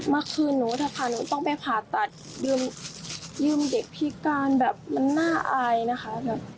มาคืนนู้นนะคะหนูต้องไปผ่าตัดยืมเด็กพี่การแบบน่าอายนะคะ